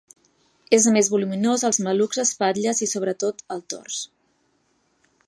És més voluminós als malucs, espatlles i sobretot al tors.